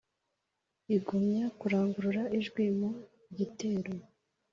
Igumya kurangurura ijwi mu gitero ;